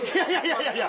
いやいや！